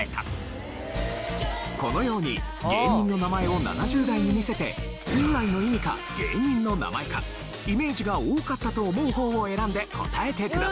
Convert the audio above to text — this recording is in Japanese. このように芸人の名前を７０代に見せて本来の意味か芸人の名前かイメージが多かったと思う方を選んで答えてください。